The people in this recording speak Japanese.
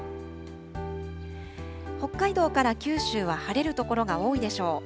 北海道から九州は晴れる所が多いでしょう。